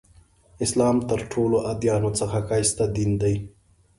اسلام تر ټولو ادیانو څخه ښایسته دین دی.